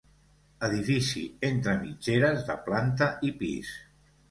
Edifici entre mitgeres, de planta i pis.